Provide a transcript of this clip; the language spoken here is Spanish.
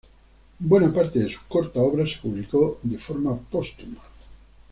Buena parte de su corta obra se publicó de forma póstuma.